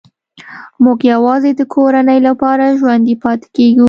موږ یوازې د کورنۍ لپاره ژوندي پاتې کېږو